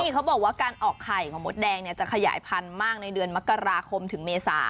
เขาบอกว่าการออกไข่ของมดแดงจะขยายพันธุ์มากในเดือนมกราคมถึงเมษา